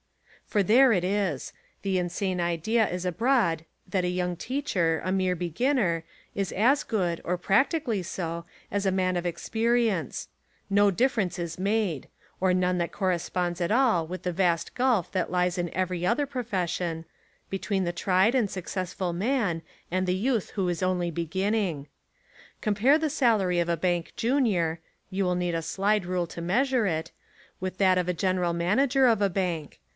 For there it is! The insane idea is abroad' that a young teacher, a mere beginner, is as good or practically so as a man of experience. No difference is made; or none that corresponds at all with the vast gulf that lies in every other 176 The Lot of the Schoolmaster profession between the tried and successful man and the youth who is only beginning. Com pare the salary of a bank junior (you will need a slide rule to measure it) with that of a gen eral manager of a bank.